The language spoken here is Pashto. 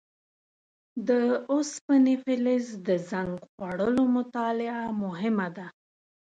د اوسپنې فلز د زنګ خوړلو مطالعه مهمه ده.